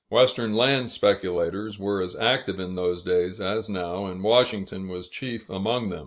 Western land speculators were as active in those days as now, and Washington was chief among them.